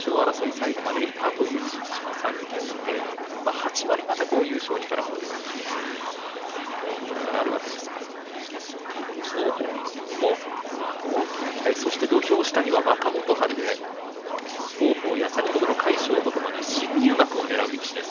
最後までいったという力士が３人いて８割方、優勝に絡むということにはなるわけですが王鵬にも、このあと大きな期待、そして土俵下には若元春王鵬や先ほどの魁勝とともに新入幕をねらう力士です。